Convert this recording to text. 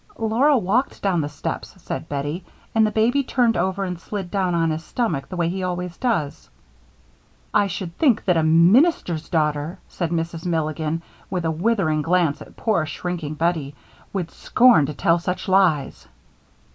"Laura walked down the steps," said Bettie, "and the baby turned over and slid down on his stomach the way he always does." "I should think that a minister's daughter," said Mrs. Milligan, with a withering glance at poor shrinking Bettie, "would scorn to tell such lies."